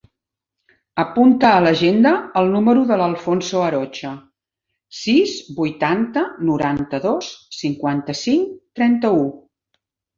Apunta a l'agenda el número de l'Alfonso Arocha: sis, vuitanta, noranta-dos, cinquanta-cinc, trenta-u.